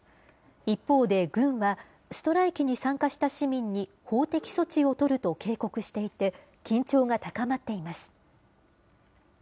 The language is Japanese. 一方で、軍はストライキに参加した市民に法的措置を取ると警告していて、緊張が高まっています。